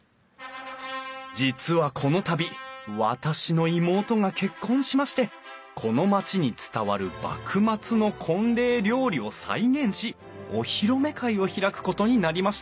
「実はこの度私の妹が結婚しましてこの町に伝わる幕末の婚礼料理を再現しお披露目会を開くことになりました。